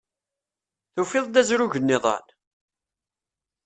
Tufiḍ-d azrug-nniḍen?